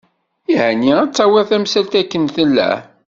Yeεni ad d-tawiḍ tamsalt akken tella.